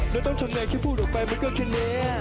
แล้วต้องเชื่อนใกล้แค่พูดออกไปมันก็แค่เหล้ก